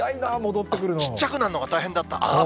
ちっちゃくなるのが大変だった？